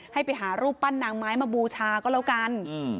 ให้ไปหารูปปั้นนางไม้มาบูชาก็แล้วกัน